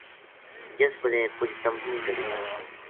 جس بِلے کجھ تمبو جھڑیا